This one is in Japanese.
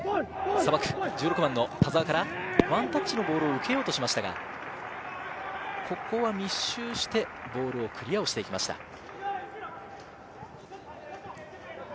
１６番の田澤からワンタッチのボールを受けようとしましたが、ここは密集してボールをクリアしていきました。